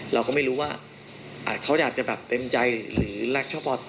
เราก็ไม่รู้ว่าเขาอยากจะแบบเต็มใจหรือแลกเฉพาะ